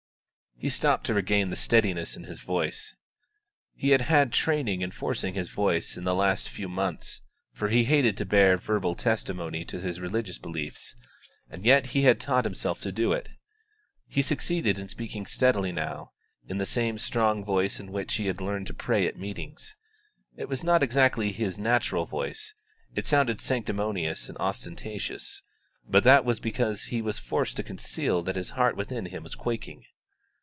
He stopped to regain the steadiness of his voice. He had had training in forcing his voice in the last few months, for he hated to bear verbal testimony to his religious beliefs, and yet he had taught himself to do it. He succeeded in speaking steadily now, in the same strong voice in which he had learnt to pray at meetings. It was not exactly his natural voice. It sounded sanctimonious and ostentatious, but that was because he was forced to conceal that his heart within him was quaking.